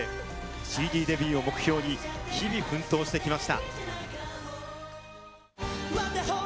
ＣＤデビューを目標に日々、奮闘してきました。